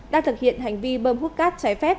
đang thực hiện hành vi bơm hút cát trái phép